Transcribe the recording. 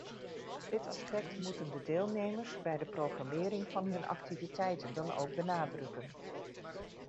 Dit aspect moeten de deelnemers bij de programmering van hun activiteiten dan ook benadrukken.